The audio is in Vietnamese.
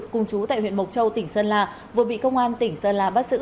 cùng chú tại huyện mộc châu tỉnh sơn la vừa bị công an tỉnh sơn la bắt giữ